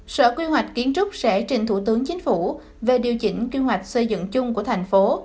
sở quy hoạch kiến trúc sẽ trình thủ tướng chính phủ về điều chỉnh quy hoạch xây dựng chung của thành phố